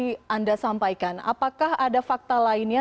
apa yang tadi anda sampaikan apakah ada fakta lainnya